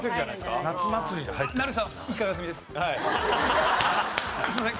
すみません。